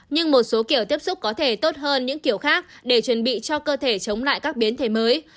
nhưng một số kiểu tiếp xúc có thể tốt hơn những kiểu khác để chuẩn bị cho cơ thể chống lại các biến thể mới